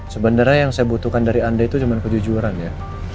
sebenarnya yang saya butuhkan dari anda itu cuma kejujuran ya